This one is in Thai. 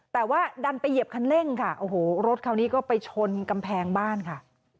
แต่ว่าดันไปเหยียบคันเร่งค่ะโอ้โหรถคันนี้ก็ไปชนกำแพงบ้านค่ะ